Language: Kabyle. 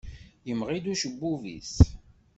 Yemɣi-d ucebbub-is.